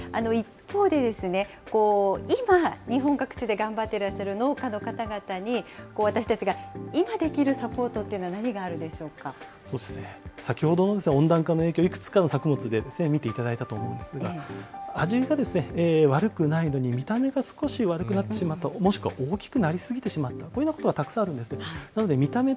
一方でですね、今、日本各地で頑張っていらっしゃる農家の方々に、私たちが今できるサポートってい先ほどの温暖化の影響、いくつかの作物で見ていただいたと思うんですが、味が悪くないのに、見た目が少し悪くなってしまった、もしくは大きくなり過ぎてしまった、こういうようなことはたくさんあるんです。